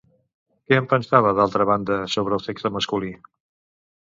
Què en pensava, d'altra banda, sobre el sexe masculí?